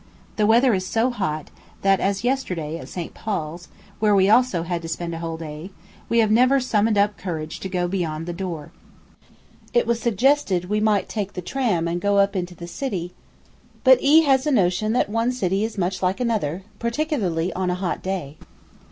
The weather is so hot, that as yesterday, at St. Paul's, where we also had to spend a whole day, we have never summoned up courage to go beyond the door. It was suggested we might take the tram and go up into the City; but E has a notion that one city is much like another, particularly on a hot day.